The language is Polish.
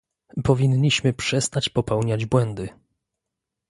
Powinniśmy przestać popełniać błędy